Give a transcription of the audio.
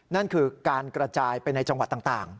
นั่นคือการกระจายไปในจังหวัดต่าง